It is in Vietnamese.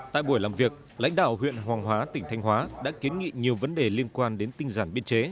tại buổi làm việc lãnh đạo huyện hoàng hóa tỉnh thanh hóa đã kiến nghị nhiều vấn đề liên quan đến tinh giản biên chế